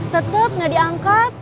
tetep gak diangkat